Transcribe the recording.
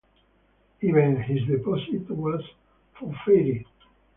Even his deposit was forfeited.